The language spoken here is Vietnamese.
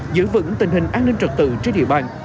giữ vững tình hình an ninh trật tự trên địa bàn